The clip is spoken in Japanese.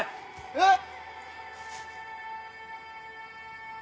えっ？